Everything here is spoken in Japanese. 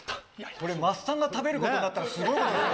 これ桝さんが食べることになったらすごいことだよ。